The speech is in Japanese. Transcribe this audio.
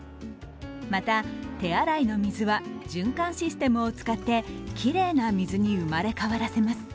また、手洗いの水は循環システムを使ってきれいな水に生まれ変わらせます。